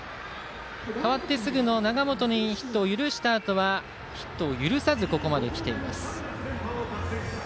代わってすぐの永本にヒットを許したあとはヒットを許さずここまで来ています。